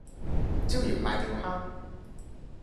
椒鹽瀨尿蝦